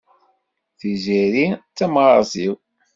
Tiziri d tamɣart-iw.